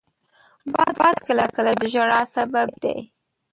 باد کله کله د ژړا سبب دی